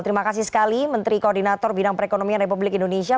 terima kasih sekali menteri koordinator bidang perekonomian republik indonesia